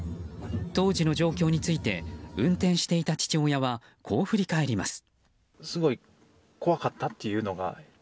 当時の状況について運転していた父親はこう振り返ります。